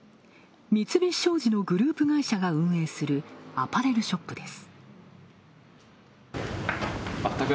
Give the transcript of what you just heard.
三菱商事のグループ会社が運営するアパレルショップです。